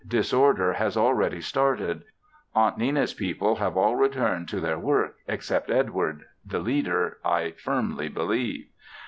Disorder has already started. Aunt Nenna's people have all returned to their work, except Edward; the leader, I firmly believe.